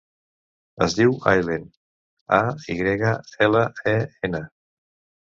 Es diu Aylen: a, i grega, ela, e, ena.